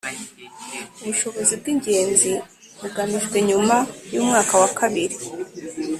ubushobozi bw’ingenzi bugamijwe nyuma y’umwaka wa kabiri